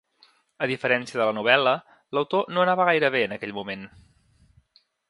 A diferència de la novel·la, l'autor no anava gaire bé en aquell moment.